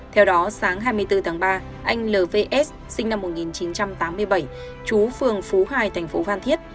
theo đó sáng hai mươi bốn tháng ba anh lvs sinh năm một nghìn chín trăm tám mươi bảy chú phường phú hải thành phố phan thiết